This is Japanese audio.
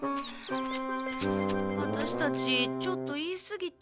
ワタシたちちょっと言いすぎた。